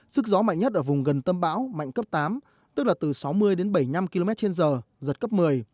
sức gió mạnh nhất ở vùng gần tâm bão mạnh cấp tám tức là từ sáu mươi đến bảy mươi năm km trên giờ giật cấp một mươi